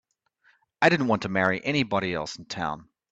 I didn't want to marry anybody else in town.